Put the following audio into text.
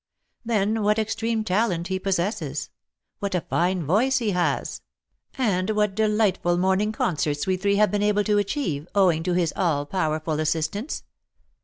Then, what extreme talent he possesses! What a fine voice he has! And what delightful morning concerts we three have been able to achieve, owing to his all powerful assistance!